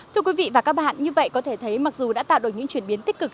thưa quý vị và các bạn như vậy có thể thấy mặc dù đã tạo được những chuyển biến tích cực